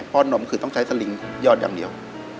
เพราะนมคือต้องใช้สลิงยอดอย่างเดียว